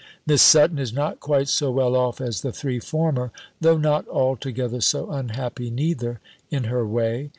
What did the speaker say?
Miss Sutton is not quite so well off as the three former; though not altogether so unhappy neither, in her way.